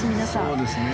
そうですね。